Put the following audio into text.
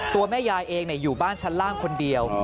ตัวแม่ยายเองอยู่บ้านชั้นล่างคนเดียว